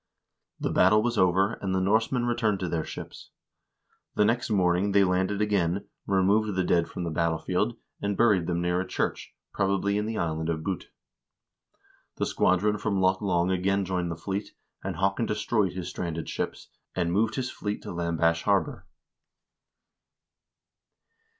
The battle was over, and the Norsemen returned to their ships. The next morning they landed again, removed the dead from the 442 HISTORY OF THE NORWEGIAN PEOPLE battlefield, and buried them near a church, probably in the island of Bute. The squadron from Loch Long again joined the fleet, and Haakon destroyed his stranded ships, and moved his fleet to Lam bash harbor.